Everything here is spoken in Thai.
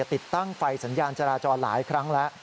ติดตั้งไฟสัญญาณจราจรหลายครั้งแล้ว